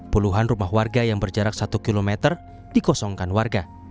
puluhan rumah warga yang berjarak satu km dikosongkan warga